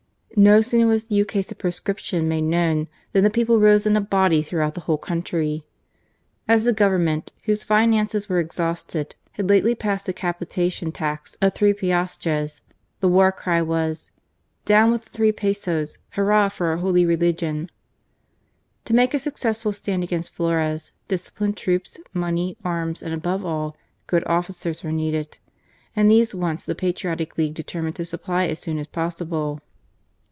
No sooner was the edict of proscription made known, than the people rose in a body throughout the whole country. As the Government, whose finances were exhausted, had lately passed a capitation tax of three piastres, 22 GARCIA MORENO. the war cry was :" Down with the three pesos ! Hurrah for our holy religion !" To make a suc cessful stand against Flores disciplined troops, money, arms, and above all, good oflScers were needed, and these wants the Patriotic League deter mined to supply as soon as possible.